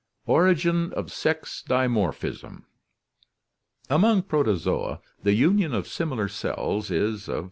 Origin of Sex Dimorphism Among Protozoa the union of similar cells is of.